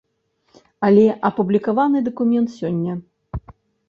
Але апублікаваны дакумент сёння.